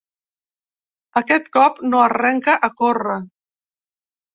Aquest cop no arrenca a córrer.